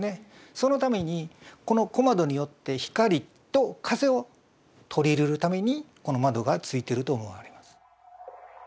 そのためにこの小窓によって光と風を取り入れるためにこの窓が付いてると思われます。